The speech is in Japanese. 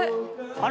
あれ？